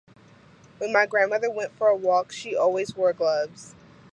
When my grandmother went for a walk, she always wore gloves.